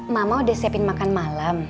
mama udah siapin makan malam